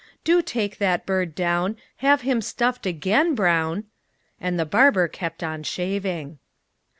Do take that bird down; Have him stuffed again, Brown!" And the barber kept on shaving.